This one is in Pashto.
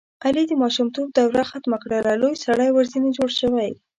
علي د ماشومتوب دروه ختمه کړله لوی سړی ورځنې جوړ شوی دی.